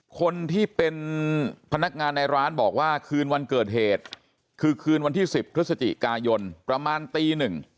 คนที่เป็นพนักงานในร้านบอกว่าคืนวันเกิดเหตุคือคืนวันที่๑๐พฤศจิกายนประมาณตีหนึ่ง